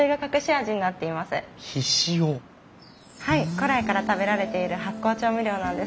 古来から食べられている発酵調味料なんです。